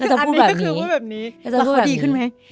คืออันนี้ก็คือว่าแบบนี้แล้วเขาดีขึ้นไหม